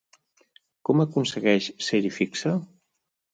Com aconsegueix ser-hi fixa?